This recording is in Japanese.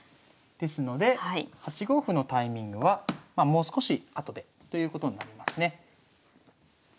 ですので８五歩のタイミングはもう少し後でということになりますね。